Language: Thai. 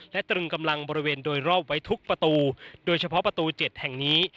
และตรึงกำลังบริเวณโดยรอบไว้ทุกประตูโดยเฉพาะประตู๗แห่งนี้